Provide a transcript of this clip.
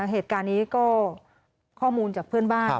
เหตุการณ์นี้ก็ข้อมูลจากเพื่อนบ้าน